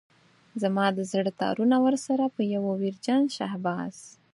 زما د زړه تارونه ورسره په يوه ويرجن شهباز.